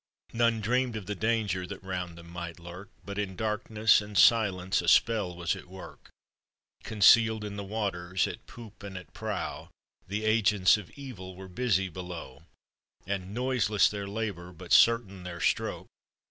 None dream'd of the danger that round them wight lurk; But in darkness and silence a sjiell wan at work. Coiiceul'd in the waters, at poop and at prow, The agents of evil were busy below; And noiseless their labor, but certain their stroke.